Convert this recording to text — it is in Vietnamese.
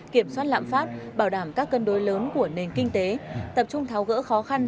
kiểm soát lạm phát bảo đảm các cân đối lớn của nền kinh tế tập trung tháo gỡ khó khăn